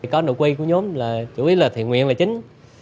có nội quy của nhóm là chủ yếu là thiện nguyện là chính